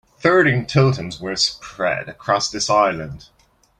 Thirteen totems were spread across this island.